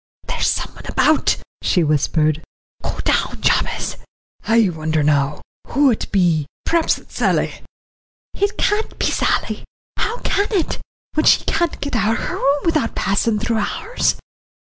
"There's someone about," she whispered; "go down, Jabez." "I wonder, now, who it be. P'raps its Sally." "It can't be Sally how can it, when she can't get out o' her room wi'out passin' through ours?"